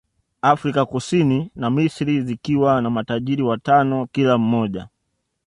Afrika Kusini na Misri zikiwa na matajiri watano kila mmoja